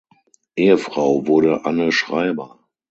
Ehefrau wurde Anne Schreiber.